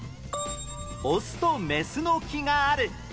オスとメスの木がある